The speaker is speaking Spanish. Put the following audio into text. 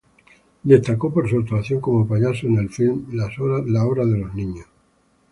Destacó por su actuación como payaso en el filme "La hora de los niños".